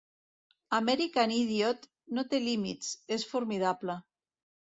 "American Idiot" no té límits, es formidable.